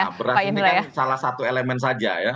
ya beras ini kan salah satu elemen saja ya